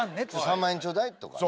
「３万円ちょうだい」とかね。